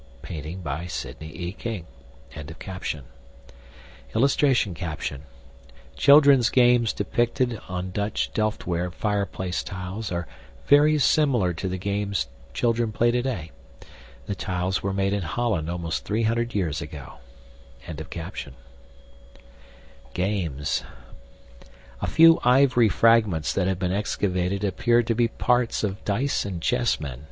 (Painting by Sidney E. King.)] [Illustration: CHILDRENS' GAMES DEPICTED ON DUTCH DELFTWARE FIREPLACE TILES ARE VERY SIMILAR TO THE GAMES CHILDREN PLAY TODAY. THE TILES WERE MADE IN HOLLAND ALMOST 300 YEARS AGO.] GAMES A few ivory fragments that have been excavated appear to be parts of dice and chessmen.